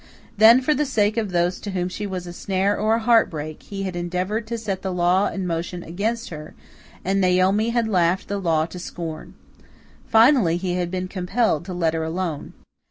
Then, for the sake of those to whom she was a snare or a heart break, he had endeavoured to set the law in motion against her, and Naomi had laughed the law to scorn. Finally, he had been compelled to let her alone.